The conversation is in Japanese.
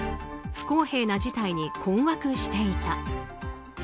不公平な事態に困惑していた。